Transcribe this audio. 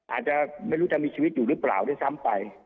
อาจจะไม่รู้จะมีชีวิตอยู่หรือเปล่าด้วยซ้ำไป